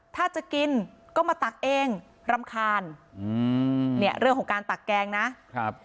ถ้าจะกินก็มาตักเองรำคาญอืมเนี่ยเรื่องของการตักแกงนะครับ